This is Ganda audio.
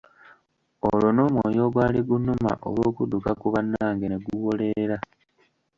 Olwo n'omwoyo ogwali gunnuma olw'okudduka ku bannange ne guwoleera.